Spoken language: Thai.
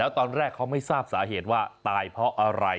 ตอนแรกเขาไม่ทราบสาเหตุว่าตายเพราะอะไร